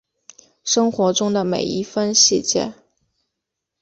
生活中的每一分细节